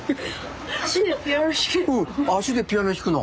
足でピアノ弾けるの？